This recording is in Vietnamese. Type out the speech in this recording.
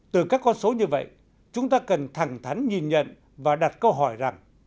từ các con số như vậy chúng ta cần thẳng thắn nhìn nhận và đặt câu hỏi rằng